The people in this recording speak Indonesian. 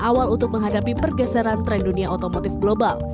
awal untuk menghadapi pergeseran tren dunia otomotif global